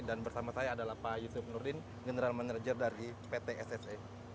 dan bersama saya adalah pak yusuf nurdin general manager dari pt sse